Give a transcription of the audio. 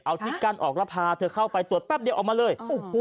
เอาที่กั้นออกแล้วพาเธอเข้าไปตรวจแป๊บเดียวออกมาเลย